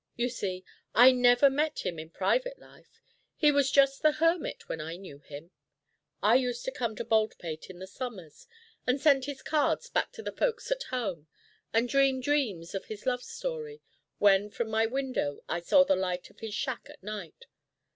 You see, I never met him in private life he was just the hermit when I knew him. I used to come to Baldpate in the summers, and send his cards back to the folks at home, and dream dreams of his love story when from my window I saw the light of his shack at night.